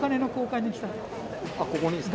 ここにですか？